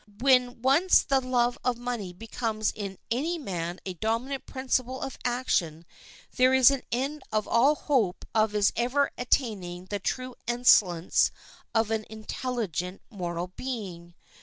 When once the love of money becomes in any man a dominant principle of action there is an end of all hope of his ever attaining the true excellence of an intelligent moral being.